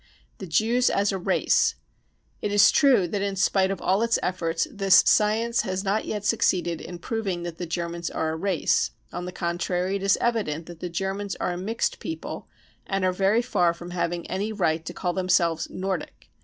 The Jews as a " Race." It is true that in spite of all its efforts this " science " has not yet succeeded in proving that the Germans are a race ; on the contrary, it is evident that the Germans are a mixed people and are very far from having any right to call themselves <c Nordic."